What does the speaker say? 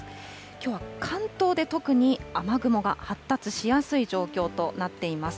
きょうは関東で特に雨雲が発達しやすい状況となっています。